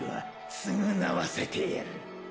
償わせてやるッ！